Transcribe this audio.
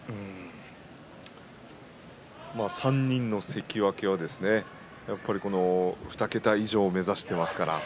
３人の関脇は２桁以上の星を目指しています。